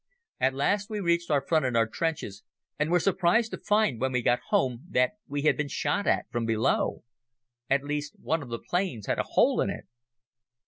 At last we reached our front and our trenches and were surprised to find when we got home that we had been shot at from below. At least one of the planes had a hole in it.